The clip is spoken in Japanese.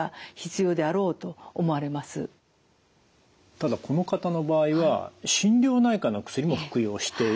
ただこの方の場合は心療内科の薬も服用している。